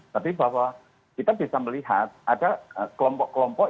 tapi bahwa kita bisa melihat ada kelompok kelompok